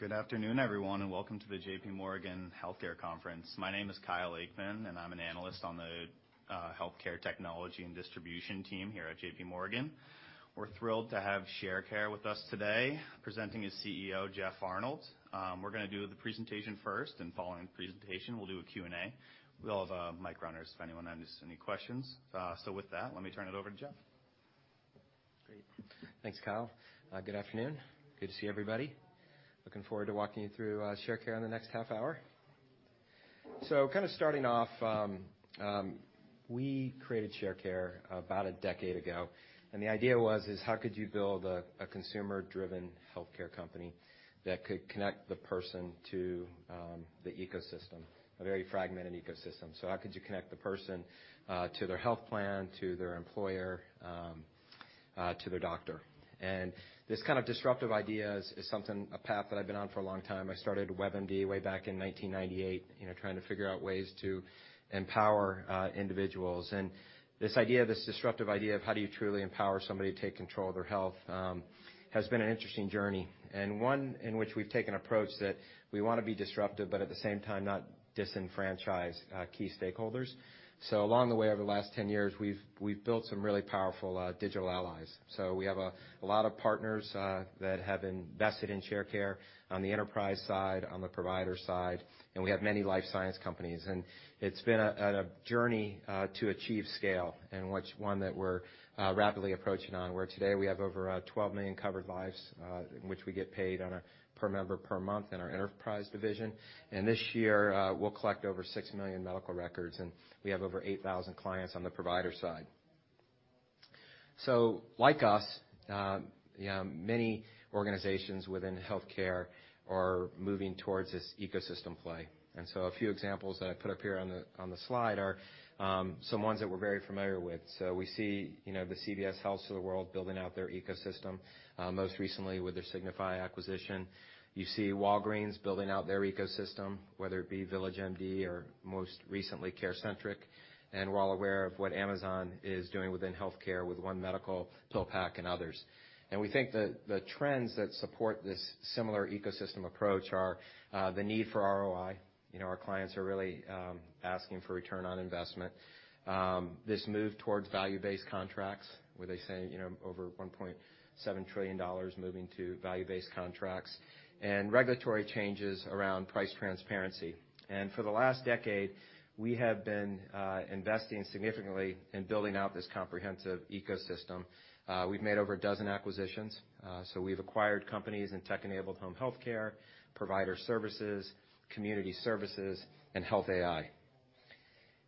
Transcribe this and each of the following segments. Good afternoon, everyone. Welcome to the JPMorgan Healthcare Conference. My name is Kyle Aikman, and I'm an Analyst on the Healthcare Technology and Distribution Team here at JPMorgan. We're thrilled to have Sharecare with us today. Presenting is CEO Jeff Arnold. We're gonna do the presentation first, and following the presentation, we'll do a Q&A. We'll have mic runners if anyone has any questions. With that, let me turn it over to Jeff. Great. Thanks, Kyle. Good afternoon. Good to see everybody. Looking forward to walking you through Sharecare in the next half hour. Kind of starting off, we created Sharecare about a decade ago, and the idea was how could you build a consumer-driven healthcare company that could connect the person to the ecosystem, a very fragmented ecosystem. How could you connect the person, to their health plan, to their employer, to their doctor? This kind of disruptive idea is something, a path that I've been on for a long time. I started WebMD way back in 1998, you know, trying to figure out ways to empower individuals. This idea, this disruptive idea of how do you truly empower somebody to take control of their health has been an interesting journey, and one in which we've taken approach that we wanna be disruptive, but at the same time, not disenfranchise key stakeholders. Along the way, over the last 10 years, we've built some really powerful digital allies. We have a lot of partners that have invested in Sharecare on the enterprise side, on the provider side, and we have many life science companies. It's been a journey to achieve scale, and which one that we're rapidly approaching on, where today we have over 12 million covered lives, in which we get paid on a per member per month in our enterprise division. This year, we'll collect over 6 million medical records, and we have over 8,000 clients on the provider side. Like us, you know, many organizations within healthcare are moving towards this ecosystem play. A few examples that I put up here on the slide are some ones that we're very familiar with. We see, you know, the CVS Health of the world building out their ecosystem, most recently with their Signify acquisition. You see Walgreens building out their ecosystem, whether it be VillageMD or most recently CareCentrix. We're all aware of what Amazon is doing within healthcare with One Medical, PillPack, and others. We think the trends that support this similar ecosystem approach are the need for ROI. You know, our clients are really asking for return on investment. This move towards value-based contracts, where they say, you know, over $1.7 trillion moving to value-based contracts, and regulatory changes around price transparency. For the last decade, we have been investing significantly in building out this comprehensive ecosystem. We've made over a dozen acquisitions, so we've acquired companies in tech-enabled home healthcare, provider services, community services, and health AI.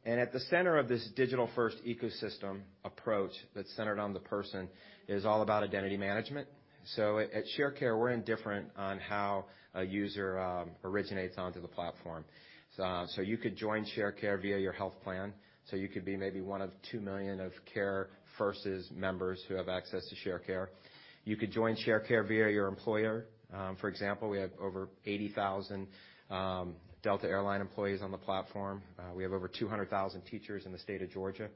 At the center of this digital-first ecosystem approach that's centered on the person is all about identity management. At Sharecare, we're indifferent on how a user originates onto the platform. You could join Sharecare via your health plan. You could be maybe one of 2 million of CareFirst's members who have access to Sharecare. You could join Sharecare via your employer. For example, we have over 80,000 Delta Air Lines employees on the platform. We have over 200,000 teachers in the state of Georgia.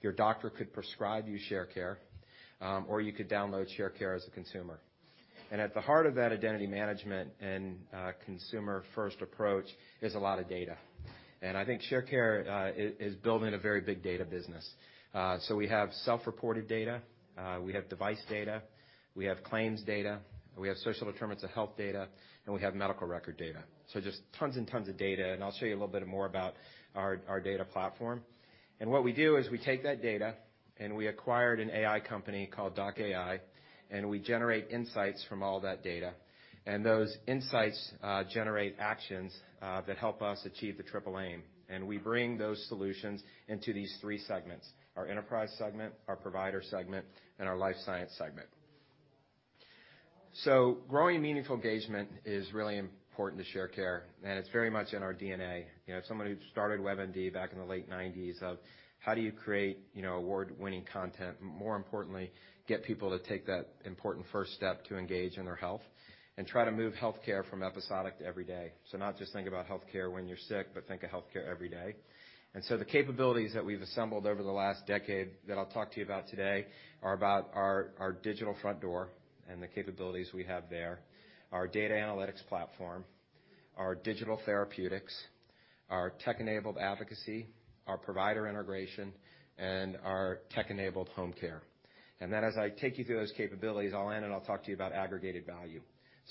Your doctor could prescribe you Sharecare, or you could download Sharecare as a consumer. At the heart of that identity management and consumer-first approach is a lot of data. I think Sharecare is building a very big data business. We have self-reported data, we have device data, we have claims data, we have social determinants of health data, and we have medical record data. Just tons and tons of data, and I'll show you a little bit more about our data platform. What we do is we take that data, and we acquired an AI company called Doc.ai, and we generate insights from all that data. Those insights generate actions that help us achieve the triple aim. We bring those solutions into these three segments, our enterprise segment, our provider segment, and our life science segment. Growing meaningful engagement is really important to Sharecare, and it's very much in our DNA. You know, someone who started WebMD back in the late nineties of how do you create, you know, award-winning content, more importantly, get people to take that important first step to engage in their health and try to move healthcare from episodic to every day. Not just think about healthcare when you're sick, but think of healthcare every day. The capabilities that we've assembled over the last decade that I'll talk to you about today are about our digital front door and the capabilities we have there, our data analytics platform, our digital therapeutics, our tech-enabled advocacy, our provider integration, and our tech-enabled home care. Then as I take you through those capabilities, I'll end, and I'll talk to you about aggregated value.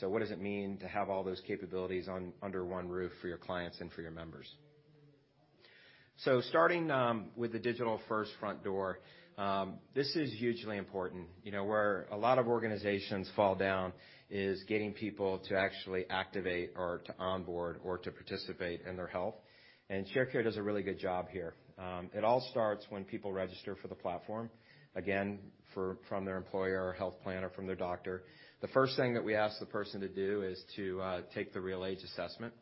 What does it mean to have all those capabilities under one roof for your clients and for your members? Starting with the digital-first front door, this is hugely important. You know, where a lot of organizations fall down is getting people to actually activate or to onboard or to participate in their health. Sharecare does a really good job here. It all starts when people register for the platform, again, from their employer or health plan or from their doctor. The first thing that we ask the person to do is to take the RealAge assessment.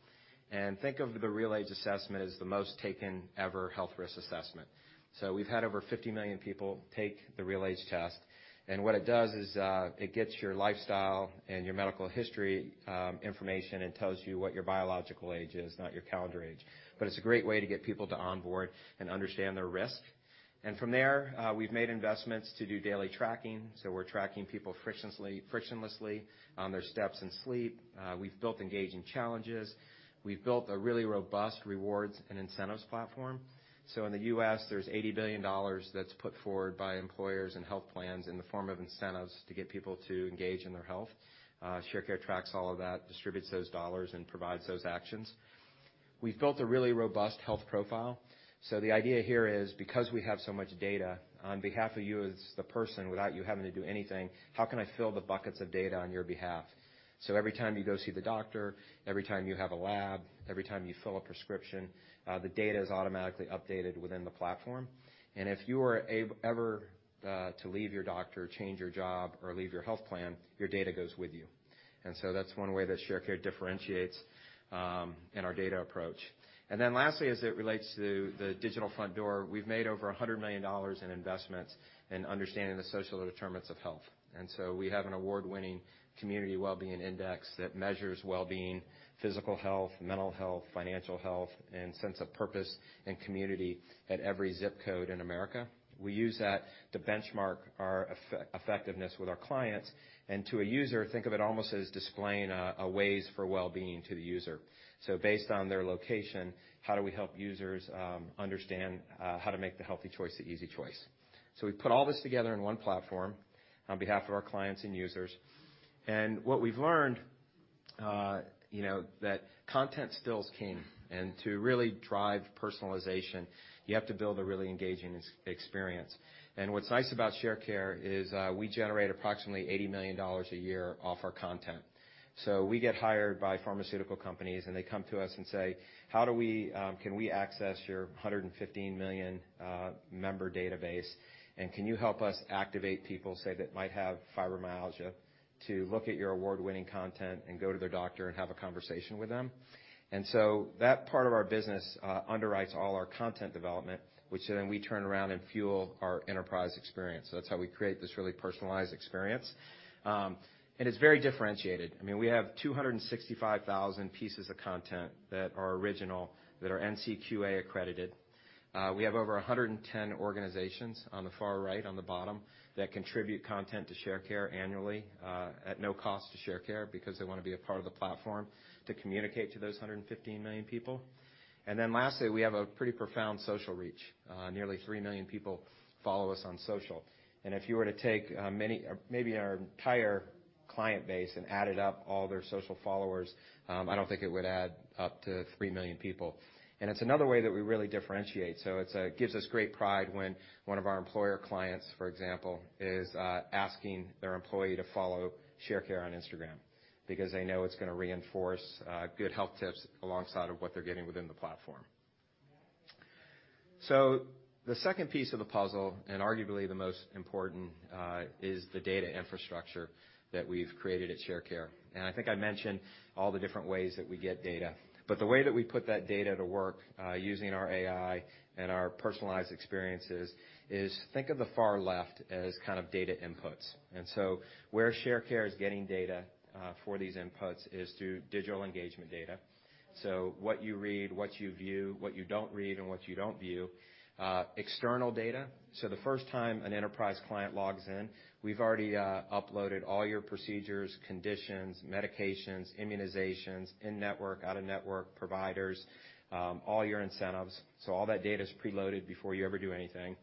Think of the RealAge assessment as the most taken ever health risk assessment. We've had over 50 million people take the RealAge test, and what it does is it gets your lifestyle and your medical history information and tells you what your biological age is, not your calendar age. It's a great way to get people to onboard and understand their risk. From there, we've made investments to do daily tracking. We're tracking people frictionlessly on their steps and sleep. We've built engaging challenges. We've built a really robust rewards and incentives platform. In the US, there's $80 billion that's put forward by employers and health plans in the form of incentives to get people to engage in their health. Sharecare tracks all of that, distributes those dollars, and provides those actions. We've built a really robust health profile. The idea here is, because we have so much data, on behalf of you as the person, without you having to do anything, how can I fill the buckets of data on your behalf? Every time you go see the doctor, every time you have a lab, every time you fill a prescription, the data is automatically updated within the platform. If you are ever to leave your doctor, change your job, or leave your health plan, your data goes with you. That's one way that Sharecare differentiates in our data approach. Lastly, as it relates to the digital front door, we've made over $100 million in investments in understanding the social determinants of health. We have an award-winning Community Well-Being Index that measures well-being, physical health, mental health, financial health, and sense of purpose and community at every zip code in America. We use that to benchmark our effectiveness with our clients, and to a user, think of it almost as displaying a ways for well-being to the user. Based on their location, how do we help users understand how to make the healthy choice the easy choice? We put all this together in one platform on behalf of our clients and users, and what we've learned, you know, that content still is king. To really drive personalization, you have to build a really engaging experience. What's nice about Sharecare is we generate approximately $80 million a year off our content. We get hired by pharmaceutical companies, and they come to us and say, "How do we, can we access your 115 million member database, and can you help us activate people, say, that might have fibromyalgia to look at your award-winning content and go to their doctor and have a conversation with them?" That part of our business underwrites all our content development, which then we turn around and fuel our enterprise experience. That's how we create this really personalized experience. And it's very differentiated. I mean, we have 265,000 pieces of content that are original, that are NCQA accredited. We have over 110 organizations on the far right on the bottom that contribute content to Sharecare annually, at no cost to Sharecare because they wanna be a part of the platform to communicate to those 115 million people. Lastly, we have a pretty profound social reach. Nearly 3 million people follow us on social. If you were to take our entire client base and added up all their social followers, I don't think it would add up to 3 million people. It's another way that we really differentiate. It gives us great pride when one of our employer clients, for example, is asking their employee to follow Sharecare on Instagram because they know it's gonna reinforce good health tips alongside of what they're getting within the platform. The second piece of the puzzle, and arguably the most important, is the data infrastructure that we've created at Sharecare. I think I mentioned all the different ways that we get data, but the way that we put that data to work, using our AI and our personalized experiences is think of the far left as kind of data inputs. Where Sharecare is getting data, for these inputs is through digital engagement data, so what you read, what you view, what you don't read and what you don't view. External data, so the first time an enterprise client logs in, we've already, uploaded all your procedures, conditions, medications, immunizations, in-network, out-of-network providers, all your incentives. All that data is preloaded before you ever do anything.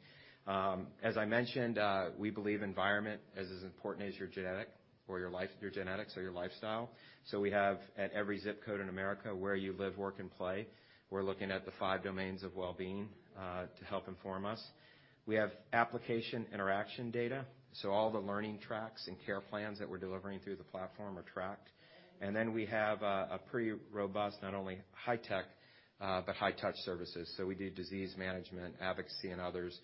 As I mentioned, we believe environment is as important as your genetics or your lifestyle. We have at every zip code in America, where you live, work, and play, we're looking at the five domains of well-being to help inform us. We have application interaction data. All the learning tracks and care plans that we're delivering through the platform are tracked. We have a pretty robust, not only high-tech but high-touch services. We do disease management, advocacy, and others.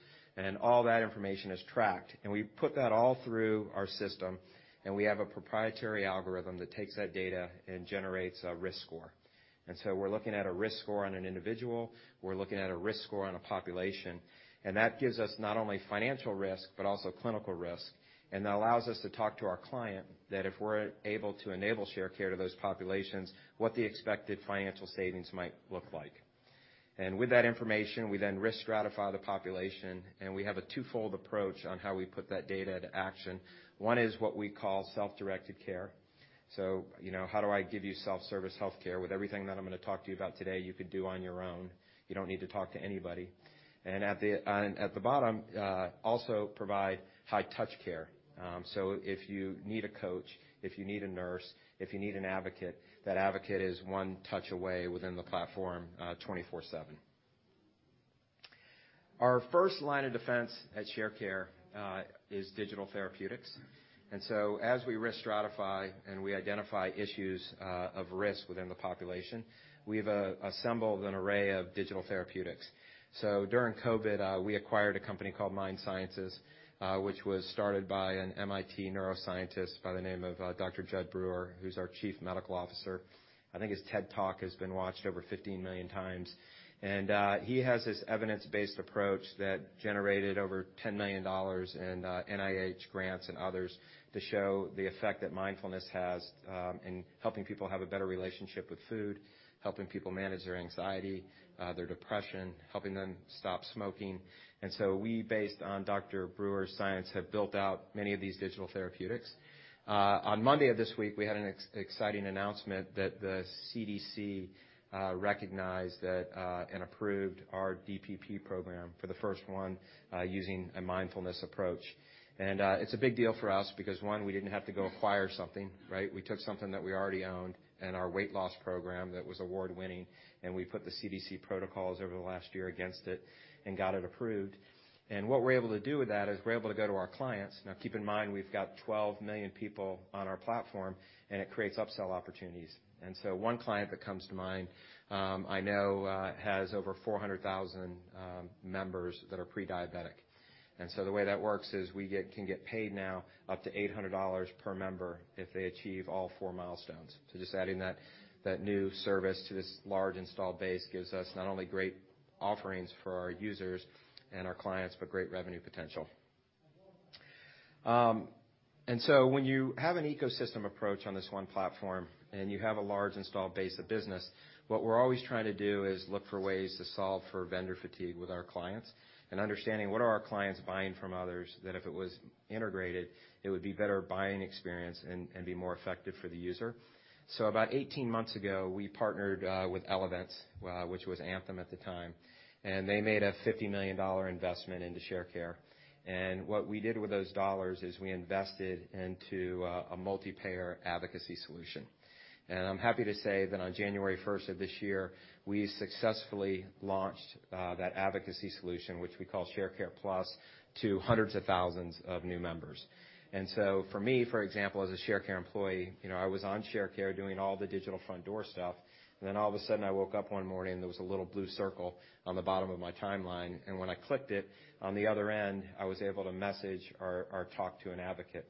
All that information is tracked, and we put that all through our system, and we have a proprietary algorithm that takes that data and generates a risk score. We're looking at a risk score on an individual. We're looking at a risk score on a population. That gives us not only financial risk, but also clinical risk. That allows us to talk to our client that if we're able to enable Sharecare to those populations, what the expected financial savings might look like. With that information, we then risk stratify the population, and we have a twofold approach on how we put that data to action. One is what we call self-directed care. You know, how do I give you self-service healthcare? With everything that I'm gonna talk to you about today, you could do on your own. You don't need to talk to anybody. At the bottom, also provide high touch care. If you need a coach, if you need a nurse, if you need an advocate, that advocate is one touch away within the platform, 24/7. Our first line of defense at Sharecare is digital therapeutics. As we risk stratify and we identify issues of risk within the population, we've assembled an array of digital therapeutics. During COVID, we acquired a company called MindSciences, which was started by an MIT neuroscientist by the name of Dr. Jud Brewer, who's our Chief Medical Officer. I think his TED Talk has been watched over 15 million times. He has this evidence-based approach that generated over $10 million in NIH grants and others to show the effect that mindfulness has in helping people have a better relationship with food, helping people manage their anxiety, their depression, helping them stop smoking. We, based on Dr. Brewer's science, have built out many of these digital therapeutics. On Monday of this week, we had an exciting announcement that the CDC recognized that and approved our DPP program for the first one using a mindfulness approach. It's a big deal for us because, one, we didn't have to go acquire something, right? We took something that we already owned and our weight loss program that was award-winning, and we put the CDC protocols over the last year against it and got it approved. What we're able to do with that is we're able to go to our clients. Now keep in mind, we've got 12 million people on our platform, and it creates upsell opportunities. One client that comes to mind, I know, has over 400,000 members that are pre-diabetic. The way that works is we get, can get paid now up to $800 per member if they achieve all four milestones. Just adding that new service to this large installed base gives us not only great offerings for our users and our clients, but great revenue potential. When you have an ecosystem approach on this one platform, and you have a large installed base of business, what we're always trying to do is look for ways to solve for vendor fatigue with our clients and understanding what are our clients buying from others, that if it was integrated, it would be better buying experience and be more effective for the user. About 18 months ago, we partnered with Elevance, which was Anthem at the time. They made a $50 million investment into Sharecare. What we did with those dollars is we invested into a multi-payer advocacy solution. I'm happy to say that on 1 January 2024 of this year, we successfully launched that advocacy solution, which we call Sharecare Plus, to hundreds of thousands of new members. So for me, for example, as a Sharecare employee, you know, I was on Sharecare doing all the digital front door stuff, and then all of a sudden, I woke up one morning, there was a little blue circle on the bottom of my timeline, and when I clicked it, on the other end, I was able to message or talk to an advocate.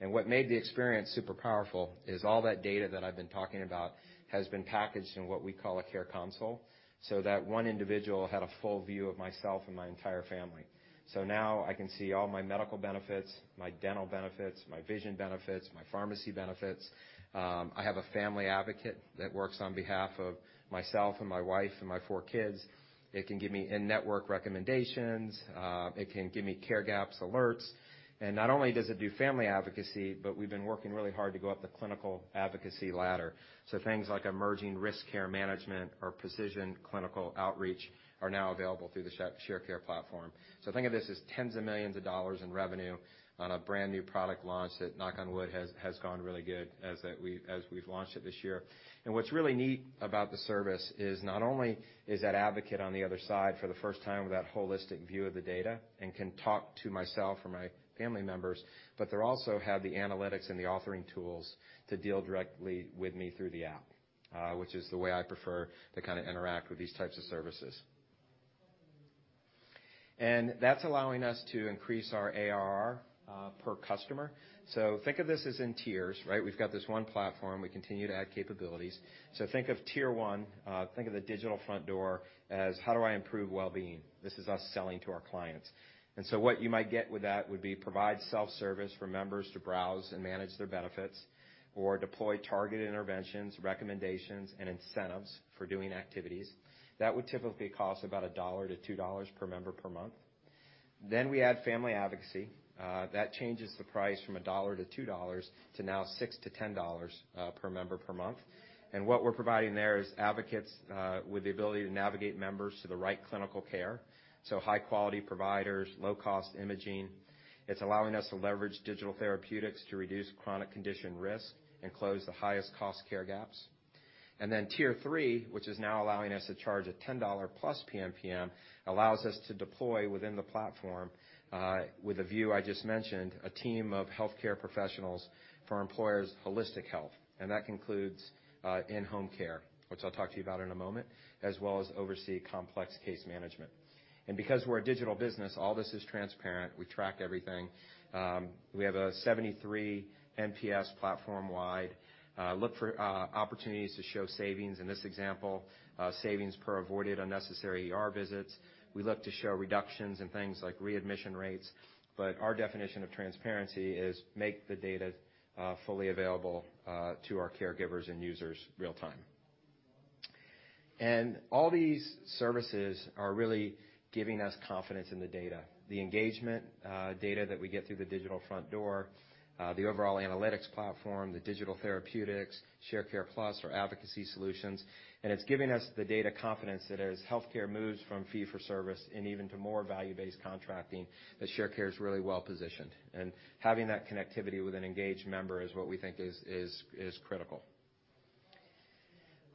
What made the experience super powerful is all that data that I've been talking about has been packaged in what we call a Care Console, so that one individual had a full view of myself and my entire family. Now I can see all my medical benefits, my dental benefits, my vision benefits, my pharmacy benefits. I have a family advocate that works on behalf of myself and my wife and my four kids. It can give me in-network recommendations, it can give me care gaps alerts. Not only does it do family advocacy, but we've been working really hard to go up the clinical advocacy ladder. Things like emerging risk care management or precision clinical outreach are now available through the Sharecare platform. Think of this as $10 million of in revenue on a brand-new product launch that, knock on wood, has gone really good as we've launched it this year. What's really neat about the service is not only is that advocate on the other side for the first time with that holistic view of the data and can talk to myself or my family members, but they also have the analytics and the authoring tools to deal directly with me through the app, which is the way I prefer to kinda interact with these types of services. That's allowing us to increase our ARR per customer. Think of this as in tiers, right? We've got this one platform. We continue to add capabilities. Think of tier one, think of the digital front door as, how do I improve well-being? This is us selling to our clients. What you might get with that would be provide self-service for members to browse and manage their benefits or deploy targeted interventions, recommendations, and incentives for doing activities. That would typically cost about $1 to 2 per member per month. We add family advocacy. That changes the price from $1 to 2 to now $6 to 10 per member per month. What we're providing there is advocates with the ability to navigate members to the right clinical care, so high-quality providers, low-cost imaging. It's allowing us to leverage digital therapeutics to reduce chronic condition risk and close the highest cost care gaps. Tier three, which is now allowing us to charge a $10-plus PMPM, allows us to deploy within the platform, with a view I just mentioned, a team of healthcare professionals for employers' holistic health. That includes in-home care, which I'll talk to you about in a moment, as well as oversee complex case management. Because we're a digital business, all this is transparent. We track everything. We have a 73 NPS platform-wide, look for opportunities to show savings. In this example, savings per avoided unnecessary ER visits. We look to show reductions in things like readmission rates, but our definition of transparency is make the data fully available to our caregivers and users real-time. All these services are really giving us confidence in the data. The engagement data that we get through the digital front door, the overall analytics platform, the digital therapeutics, Sharecare+, our advocacy solutions, it's giving us the data confidence that as healthcare moves from fee for service and even to more value-based contracting, that Sharecare is really well-positioned. Having that connectivity with an engaged member is what we think is critical.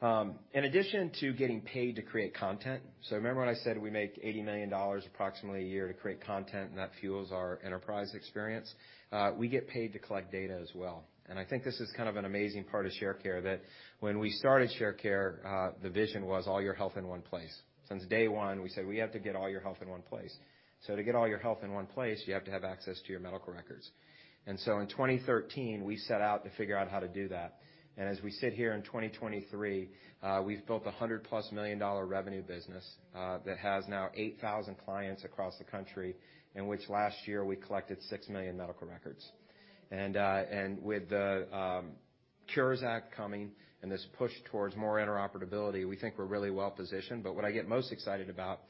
In addition to getting paid to create content, remember when I said we make $80 million approximately a year to create content, that fuels our enterprise experience? We get paid to collect data as well. I think this is kind of an amazing part of Sharecare that when we started Sharecare, the vision was all your health in one place. Since day one, we said, we have to get all your health in one place. To get all your health in one place, you have to have access to your medical records. In 2013, we set out to figure out how to do that. As we sit here in 2023, we've built a $100-plus million revenue business that has now 8,000 clients across the country, in which last year, we collected 6 million medical records. With the Cures Act coming and this push towards more interoperability, we think we're really well-positioned. what I get most excited about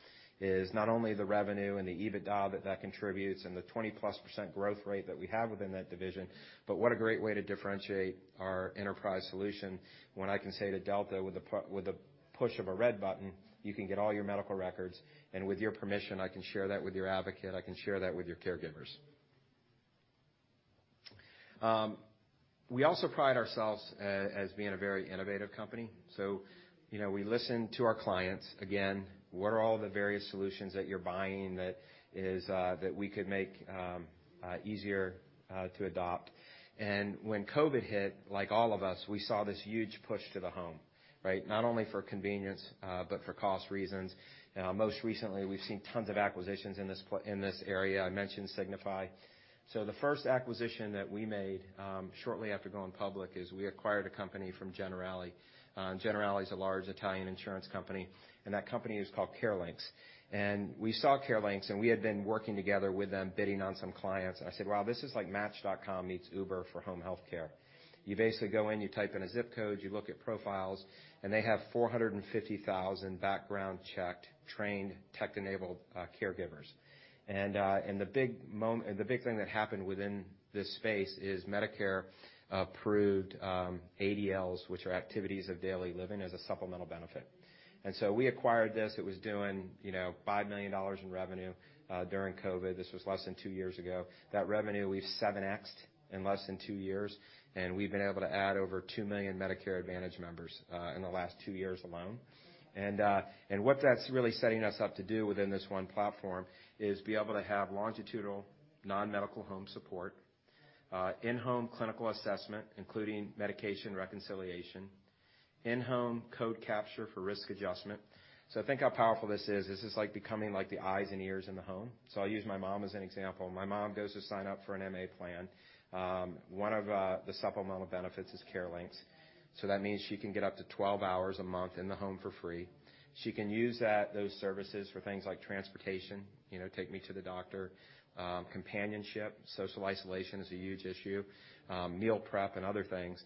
is not only the revenue and the EBITDA that that contributes and the 20% plus growth rate that we have within that division, but what a great way to differentiate our enterprise solution when I can say to Delta, with the push of a red button, you can get all your medical records, and with your permission, I can share that with your advocate, I can share that with your caregivers. We also pride ourselves as being a very innovative company. You know, we listen to our clients. Again, what are all the various solutions that you're buying that is that we could make easier to adopt. When COVID hit, like all of us, we saw this huge push to the home, right? Not only for convenience, but for cost reasons. Most recently, we've seen tons of acquisitions in this area. I mentioned Signify. The first acquisition that we made, shortly after going public is we acquired a company from Generali. Generali is a large Italian insurance company, and that company is called CareLinx. We saw CareLinx, and we had been working together with them, bidding on some clients. I said, "Wow, this is like Match.com meets Uber for home health care." You basically go in, you type in a ZIP code, you look at profiles, and they have 450,000 background-checked, trained, tech-enabled caregivers. The big thing that happened within this space is Medicare approved ADLs, which are activities of daily living, as a supplemental benefit. We acquired this. It was doing, you know, $5 million in revenue, during COVID. This was less than two years ago. That revenue we've 7x in less than two years, and we've been able to add over 2 million Medicare Advantage members, in the last two years alone. What that's really setting us up to do within this one platform is be able to have longitudinal non-medical home support, in-home clinical assessment, including medication reconciliation, in-home code capture for risk adjustment. Think how powerful this is. This is like becoming like the eyes and ears in the home. I'll use my mom as an example. My mom goes to sign up for an MA plan. One of, the supplemental benefits is CareLinx. That means she can get up to 12 hours a month in the home for free. She can use that, those services for things like transportation, you know, take me to the doctor, companionship, social isolation is a huge issue, meal prep, and other things.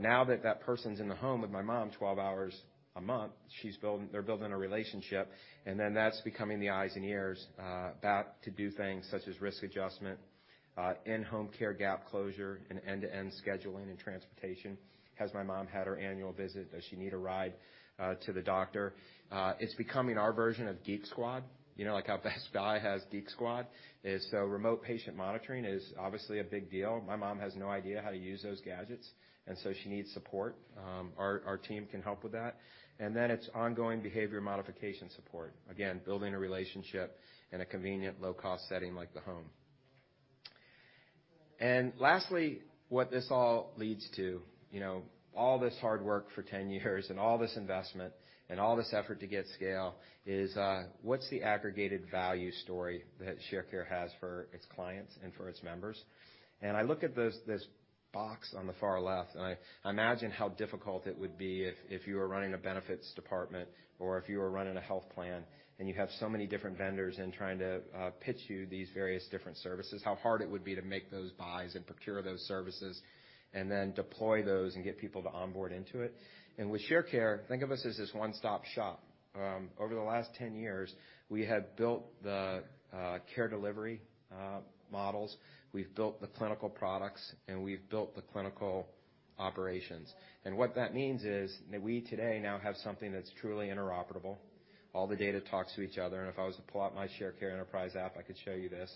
Now that that person's in the home with my mom 12 hours a month, they're building a relationship, and then that's becoming the eyes and ears, about to do things such as risk adjustment, in-home care gap closure and end-to-end scheduling and transportation. Has my mom had her annual visit? Does she need a ride to the doctor? It's becoming our version of Geek Squad. You know, like how Best Buy has Geek Squad. Remote patient monitoring is obviously a big deal. My mom has no idea how to use those gadgets, and so she needs support. Our team can help with that. Then it's ongoing behavior modification support. Again, building a relationship in a convenient, low-cost setting like the home. Lastly, what this all leads to, you know, all this hard work for 10 years and all this investment and all this effort to get scale is, what's the aggregated value story that Sharecare has for its clients and for its members? I look at this box on the far left, I imagine how difficult it would be if you were running a benefits department or if you were running a health plan, and you have so many different vendors and trying to pitch you these various different services, how hard it would be to make those buys and procure those services and then deploy those and get people to onboard into it. With Sharecare, think of us as this one-stop shop. Over the last 10 years, we have built the care delivery models. We've built the clinical products, and we've built the clinical operations. What that means is that we today now have something that's truly interoperable. All the data talks to each other. If I was to pull out my Sharecare enterprise app, I could show you this.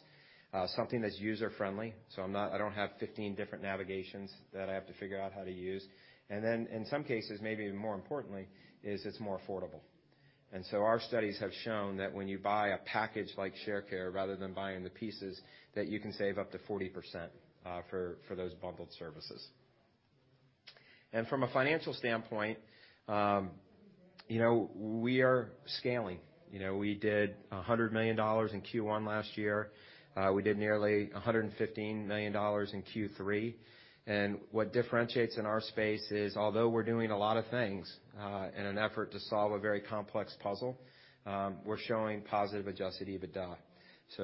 Something that's user-friendly, so I don't have 15 different navigations that I have to figure out how to use. Then in some cases, maybe even more importantly, is it's more affordable. Our studies have shown that when you buy a package like Sharecare rather than buying the pieces, that you can save up to 40% for those bundled services. From a financial standpoint, you know, we are scaling. You know, we did $100 million in first quarter last year. We did nearly $115 million in third quarter. What differentiates in our space is, although we're doing a lot of things, in an effort to solve a very complex puzzle, we're showing positive adjusted EBITDA.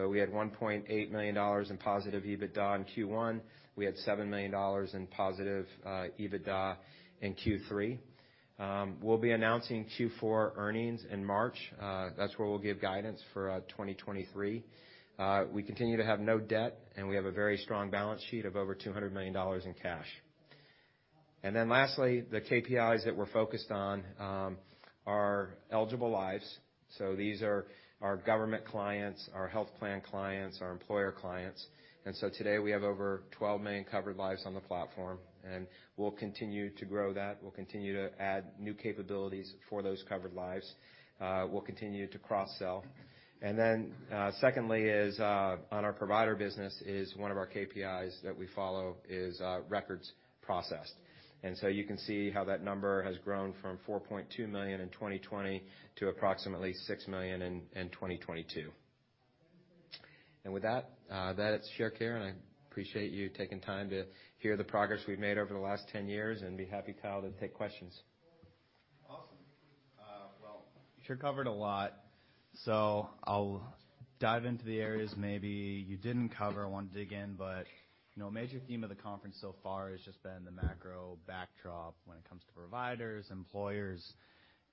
We had $1.8 million in positive EBITDA in first quarter. We had $7 million in positive EBITDA in third quarter. We'll be announcing fourth quarter earnings in March. That's where we'll give guidance for 2023. We continue to have no debt, and we have a very strong balance sheet of over $200 million in cash. Lastly, the KPIs that we're focused on are eligible lives. These are our government clients, our health plan clients, our employer clients. Today, we have over 12 million covered lives on the platform, and we'll continue to grow that. We'll continue to add new capabilities for those covered lives. We'll continue to cross-sell. Secondly is on our provider business is one of our KPIs that we follow is records processed. You can see how that number has grown from 4.2 million in 2020 to approximately 6 million in 2022. With that's Sharecare, and I appreciate you taking time to hear the progress we've made over the last 10 years and be happy, Kyle, to take questions. Awesome. Well, sure covered a lot, so I'll dive into the areas maybe you didn't cover or want to dig in. You know, a major theme of the conference so far has just been the macro backdrop when it comes to providers, employers.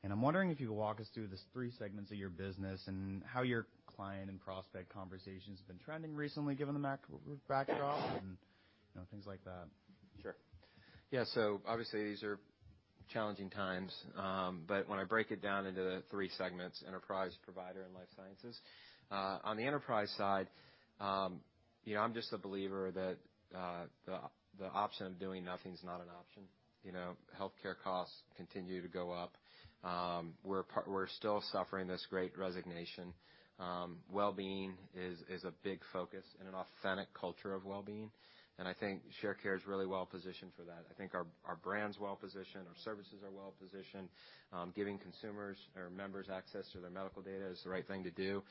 I'm wondering if you could walk us through these three segments of your business and how your client and prospect conversations have been trending recently, given the backdrop and, you know, things like that. Sure. Yeah. Obviously, challenging times. When I break it down into the three segments, enterprise, provider, and life sciences, on the enterprise side, you know, I'm just a believer that the option of doing nothing is not an option. You know, healthcare costs continue to go up. We're still suffering this great resignation. Wellbeing is a big focus and an authentic culture of wellbeing, and I think Sharecare is really well positioned for that. I think our brand's well positioned, our services are well positioned. Giving consumers or members access to their medical data is the right thing to do.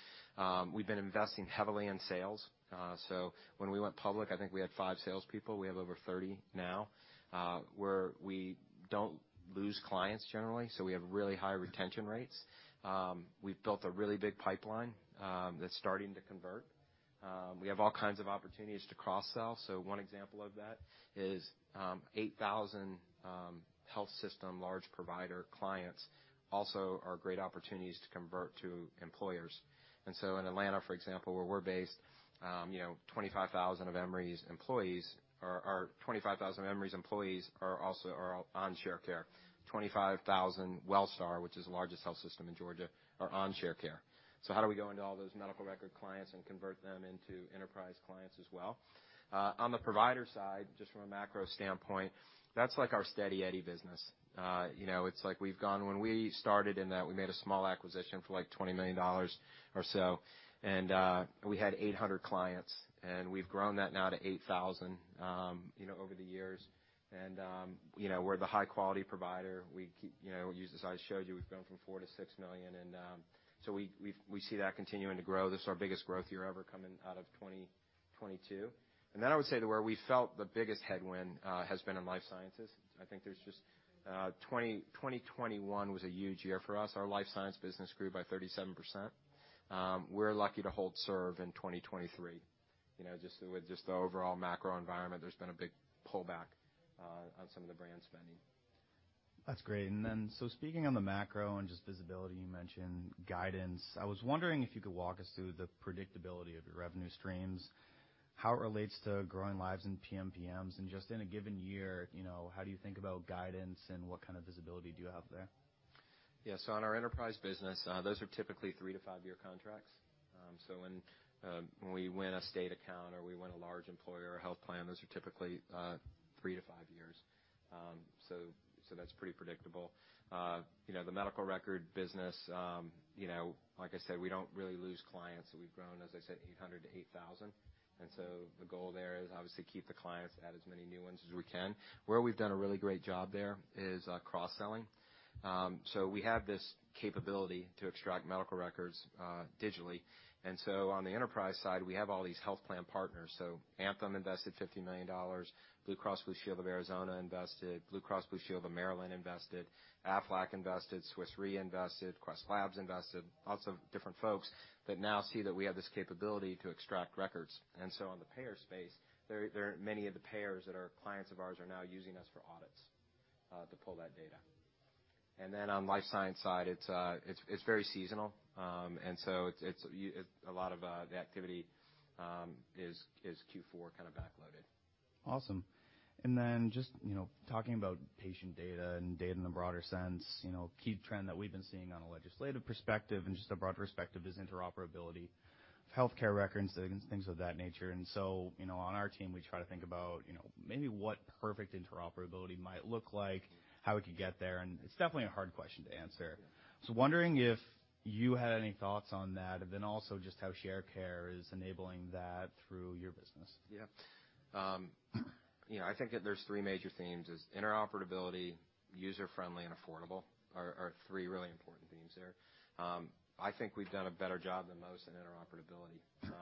We've been investing heavily in sales. When we went public, I think we had five salespeople. We have over 30 now. We don't lose clients generally, so we have really high retention rates. We've built a really big pipeline that's starting to convert. We have all kinds of opportunities to cross-sell. One example of that is 8,000 health system large provider clients also are great opportunities to convert to employers. In Atlanta, for example, where we're based, you know, 25,000 of Emory's employees are also on Sharecare. 25,000 Wellstar, which is the largest health system in Georgia, are on Sharecare. How do we go into all those medical record clients and convert them into enterprise clients as well? On the provider side, just from a macro standpoint, that's like our steady Eddie business. You know, it's like we've gone. When we started in that, we made a small acquisition for, like, $20 million or so, we had 800 clients, and we've grown that now to 8,000, you know, over the years. You know, we're the high-quality provider. You know, users I showed you, we've gone from 4 to 6 million, we see that continuing to grow. This is our biggest growth year ever coming out of 2022. I would say to where we felt the biggest headwind has been in life sciences. I think there's just 2021 was a huge year for us. Our life science business grew by 37%. We're lucky to hold serve in 2023. You know, just with the overall macro environment, there's been a big pullback, on some of the brand spending. That's great. Speaking on the macro and just visibility, you mentioned guidance. I was wondering if you could walk us through the predictability of your revenue streams, how it relates to growing lives and PMPMs, and just in a given year, you know, how do you think about guidance, and what kind of visibility do you have there? Yeah. On our enterprise business, those are typically three-to-five-year contracts. When, when we win a state account or we win a large employer or health plan, those are typically three to five years. That's pretty predictable. You know, the medical record business, you know, like I said, we don't really lose clients. We've grown, as I said, 800 to 8,000. The goal there is obviously keep the clients, add as many new ones as we can. Where we've done a really great job there is cross-selling. We have this capability to extract medical records digitally. On the enterprise side, we have all these health plan partners. Anthem invested $50 million. Blue Cross Blue Shield of Arizona invested. Blue Cross Blue Shield of Maryland invested. Aflac invested. Swiss Re invested. Quest Labs invested. Lots of different folks that now see that we have this capability to extract records. On the payer space, there are many of the payers that are clients of ours are now using us for audits to pull that data. On life science side, it's very seasonal. It's a lot of the activity is fourth quarter kind of backloaded. Awesome. Just, you know, talking about patient data and data in the broader sense, you know, key trend that we've been seeing on a legislative perspective and just a broad perspective is interoperability of healthcare records and things of that nature. You know, on our team, we try to think about, you know, maybe what perfect interoperability might look like, how we could get there, and it's definitely a hard question to answer. Wondering if you had any thoughts on that. Also just how Sharecare is enabling that through your business. Yeah. You know, I think that there's three major themes is interoperability, user-friendly, and affordable are three really important themes there. I think we've done a better job than most in interoperability.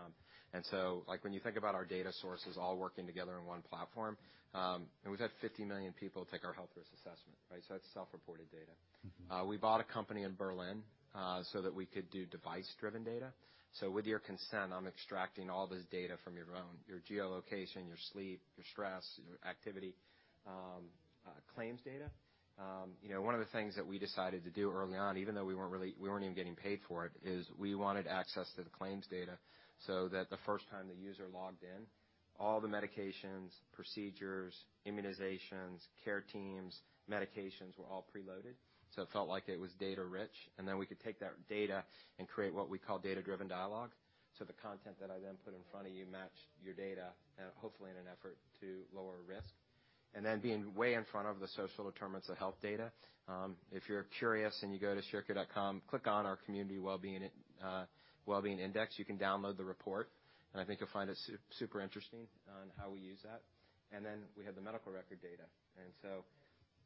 Like when you think about our data sources all working together in one platform, and we've had 50 million people take our health risk assessment, right? That's self-reported data. Mm-hmm. We bought a company in Berlin so that we could do device-driven data. With your consent, I'm extracting all this data from your own, your geolocation, your sleep, your stress, your activity, claims data. You know, one of the things that we decided to do early on, even though we weren't really, we weren't even getting paid for it, is we wanted access to the claims data so that the first time the user logged in, all the medications, procedures, immunizations, care teams, medications were all preloaded. It felt like it was data rich. We could take that data and create what we call data-driven dialogue. The content that I then put in front of you matched your data, hopefully in an effort to lower risk. Being way in front of the social determinants of health data. If you're curious and you go to Sharecare.com, click on our Community Well-Being Index, you can download the report, and I think you'll find it super interesting on how we use that. Then we have the medical record data, and so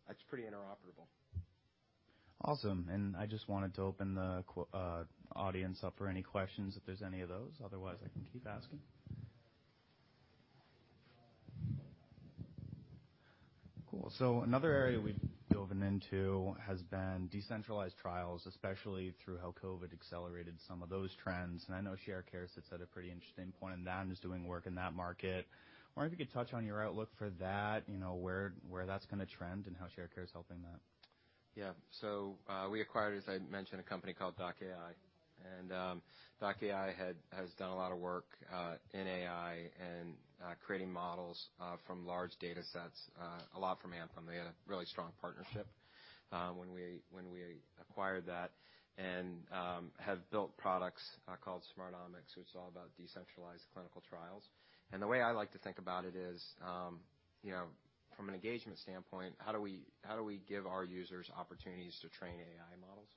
that's pretty interoperable. Awesome. I just wanted to open the audience up for any questions, if there's any of those. Otherwise, I can keep asking. Cool. Another area we've dove into has been decentralized trials, especially through how COVID accelerated some of those trends. I know Sharecare sits at a pretty interesting point in that and is doing work in that market. I wonder if you could touch on your outlook for that, you know, where that's gonna trend and how Sharecare is helping that. Yeah. We acquired, as I mentioned, a company called Doc.ai. Doc.ai has done a lot of work in AI and creating models from large data sets, a lot from Anthem. They had a really strong partnership when we, when we acquired that and have built products called SmartOmics, which is all about decentralized clinical trials. The way I like to think about it is, you know, from an engagement standpoint, how do we, how do we give our users opportunities to train AI models?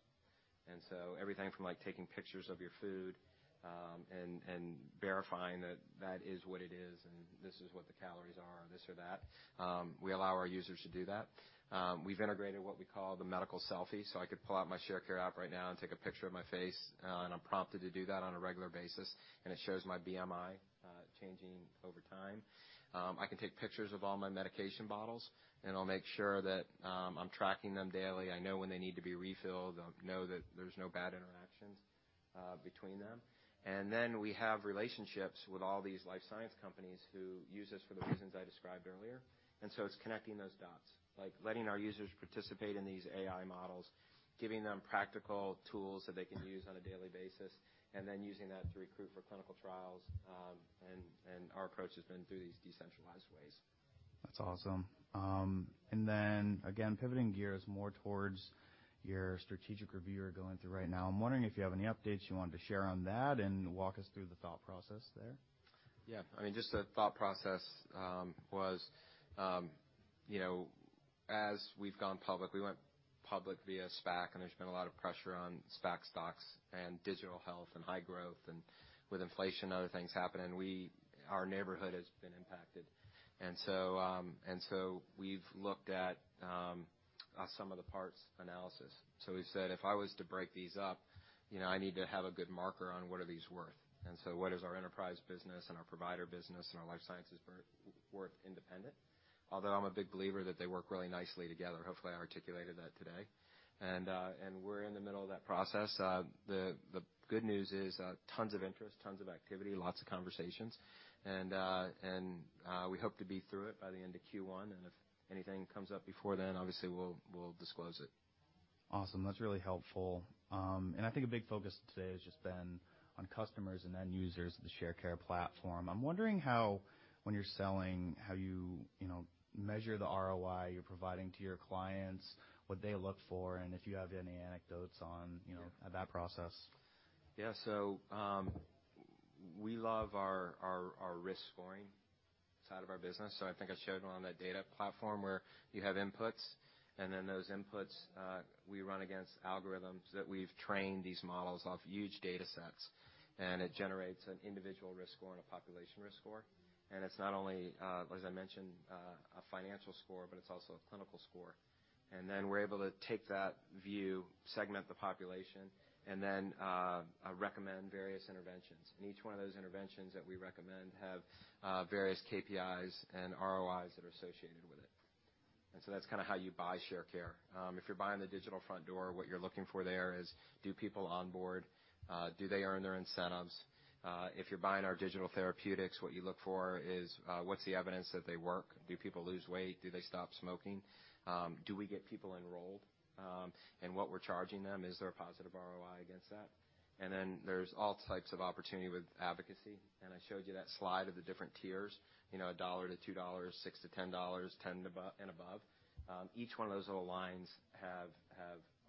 Everything from like taking pictures of your food, and verifying that that is what it is, and this is what the calories are, this or that, we allow our users to do that. We've integrated what we call the medical selfie. I could pull out my Sharecare app right now and take a picture of my face, and I'm prompted to do that on a regular basis, and it shows my BMI changing over time. I can take pictures of all my medication bottles, and I'll make sure that I'm tracking them daily. I know when they need to be refilled, know that there's no bad interactions between them. We have relationships with all these life science companies who use us for the reasons I described earlier. It's connecting those dots, like letting our users participate in these AI models, giving them practical tools that they can use on a daily basis, and then using that to recruit for clinical trials. Our approach has been through these decentralized ways. That's awesome. Again, pivoting gears more towards your strategic review you're going through right now. I'm wondering if you have any updates you wanted to share on that and walk us through the thought process there. Yeah. I mean, just the thought process was, you know, as we've gone public, we went public via SPAC. There's been a lot of pressure on SPAC stocks and digital health and high growth. With inflation and other things happening, our neighborhood has been impacted. We've looked at some of the parts analysis. So, we said, "If I was to break these up, you know, I need to have a good marker on what are these worth." What is our enterprise business and our provider business and our life sciences worth independent? Although I'm a big believer that they work really nicely together. Hopefully, I articulated that today. We're in the middle of that process. The good news is tons of interest, tons of activity, lots of conversations. We hope to be through it by the end of first quarter. If anything comes up before then, obviously, we'll disclose it. Awesome. That's really helpful. I think a big focus today has just been on customers and end users of the Sharecare platform. I'm wondering how, when you're selling, how you know, measure the ROI you're providing to your clients, what they look for, and if you have any anecdotes on, you know, that process. Yeah. We love our risk scoring side of our business. I think I showed on that data platform where you have inputs, and then those inputs, we run against algorithms that we've trained these models off huge data sets, and it generates an individual risk score and a population risk score. It's not only, as I mentioned, a financial score, but it's also a clinical score. Then we're able to take that view, segment the population, and then recommend various interventions. Each one of those interventions that we recommend have various KPIs and ROIs that are associated with it. That's kinda how you buy Sharecare. If you're buying the digital front door, what you're looking for there is: Do people onboard? Do they earn their incentives? If you're buying our digital therapeutics, what you look for is what's the evidence that they work? Do people lose weight? Do they stop smoking? Do we get people enrolled? What we're charging them, is there a positive ROI against that? Then there's all types of opportunity with advocacy. I showed you that slide of the different tiers, you know, $1 to 2, $6 to 10 and above. Each one of those little lines have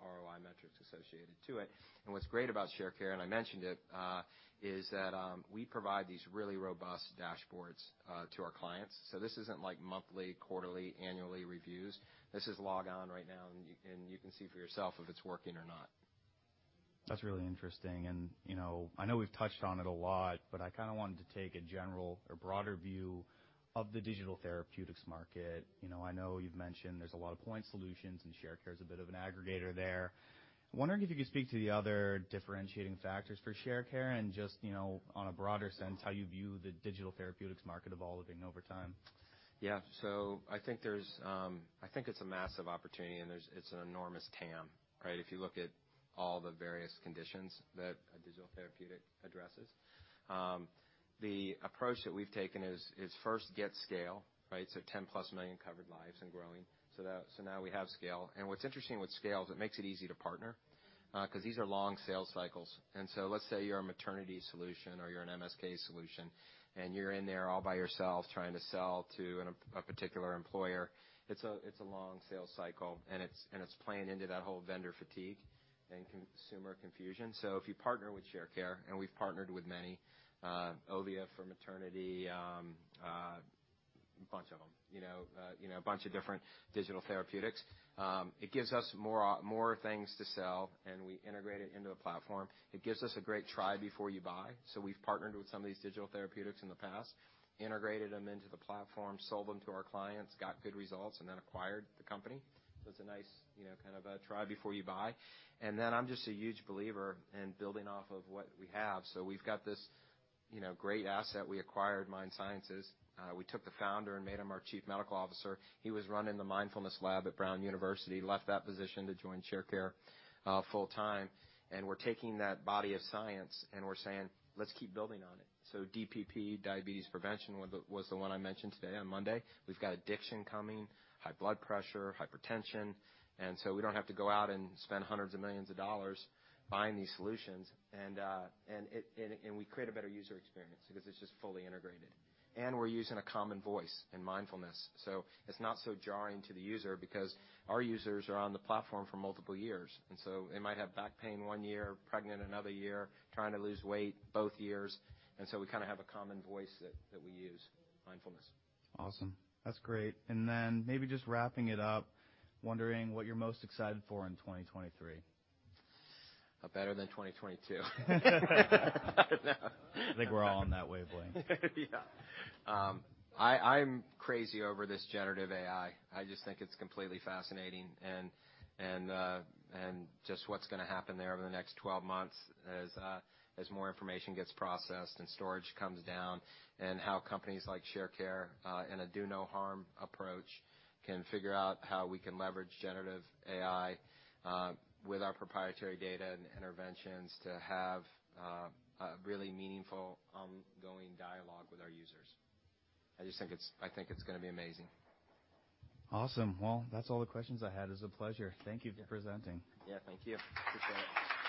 ROI metrics associated to it. What's great about Sharecare, and I mentioned it, is that we provide these really robust dashboards to our clients. This isn't like monthly, quarterly, annually reviews. This is log on right now, and you can see for yourself if it's working or not. That's really interesting. You know, I know we've touched on it a lot, but I kinda wanted to take a general or broader view of the digital therapeutics market. You know, I know you've mentioned there's a lot of point solutions, and Sharecare is a bit of an aggregator there. I'm wondering if you could speak to the other differentiating factors for Sharecare and just, you know, on a broader sense, how you view the digital therapeutics market evolving over time. Yeah. I think it's a massive opportunity, and it's an enormous TAM, right? If you look at all the various conditions that a digital therapeutic addresses. The approach that we've taken is first get scale, right? 10-plus million covered lives and growing. Now we have scale. What's interesting with scale is it makes it easy to partner, 'cause these are long sales cycles. Let's say you're a maternity solution or you're an MSK solution, and you're in there all by yourself trying to sell to a particular employer. It's a long sales cycle, and it's playing into that whole vendor fatigue and consumer confusion. If you partner with Sharecare, and we've partnered with many, Ovia for maternity, a bunch of them, you know, you know, a bunch of different digital therapeutics, it gives us more things to sell, and we integrate it into a platform. It gives us a great try before you buy. We've partnered with some of these digital therapeutics in the past, integrated them into the platform, sold them to our clients, got good results, and then acquired the company. It's a nice, you know, kind of a try before you buy. Then I'm just a huge believer in building off of what we have. We've got this, you know, great asset. We acquired MindSciences. We took the founder and made him our Chief Medical Officer. He was running the mindfulness lab at Brown University, left that position to join Sharecare, full-time. We're taking that body of science, and we're saying, "Let's keep building on it." DPP, diabetes prevention, was the one I mentioned today on Monday. We've got addiction coming, high blood pressure, hypertension, we don't have to go out and spend hundreds of millions of dollars buying these solutions. We create a better user experience because it's just fully integrated. We're using a common voice in mindfulness. It's not so jarring to the user because our users are on the platform for multiple years. They might have back pain one year, pregnant another year, trying to lose weight both years. We kinda have a common voice that we use, mindfulness. Awesome. That's great. Then maybe just wrapping it up, wondering what you're most excited for in 2023. Better than 2022. I think we're all on that wavelength. Yeah. I'm crazy over this generative AI. I just think it's completely fascinating and just what's gonna happen there over the next 12 months as more information gets processed and storage comes down, and how companies like Sharecare, in a do-no-harm approach, can figure out how we can leverage generative AI with our proprietary data and interventions to have a really meaningful ongoing dialogue with our users. I think it's gonna be amazing. Awesome. Well, that's all the questions I had. It was a pleasure. Thank you for presenting. Yeah, thank you. Appreciate it. Thank you.